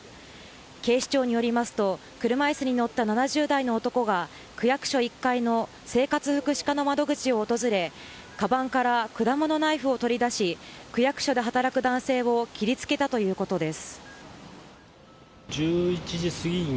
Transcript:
警視庁によりますと車椅子に乗った７０代の男が区役所１階の生活福祉課の窓口を訪れかばんから果物ナイフを取り出し区役所で働く男性を切りつけたということです。